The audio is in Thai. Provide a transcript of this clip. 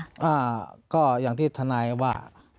อ่าก็อย่างที่ทนายว่า